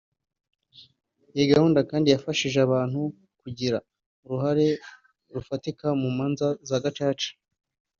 Iyi gahunda kandi yafashije abantu kugira uruhare rufatika mu manza za Gacaca